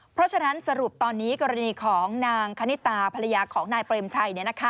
เพราะฉะนั้นสรุปตอนนี้กรณีของนางคณิตาภรรยาของนายเปรมชัย